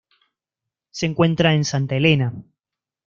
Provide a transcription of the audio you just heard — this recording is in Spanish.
Se encuentra en Santa Helena.